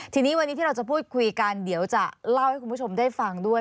ทีนี้วันนี้ที่เราจะพูดคุยกันเดี๋ยวจะเล่าให้คุณผู้ชมได้ฟังด้วย